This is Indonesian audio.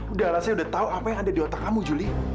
udah lah saya udah tau apa yang ada di otak kamu juli